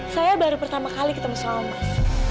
saya baru pertama kali ketemu sama mas